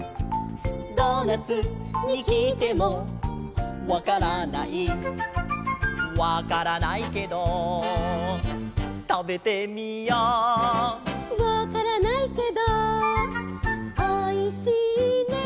「ドーナツにきいてもわからない」「わからないけどたべてみよう」「わからないけどおいしいね」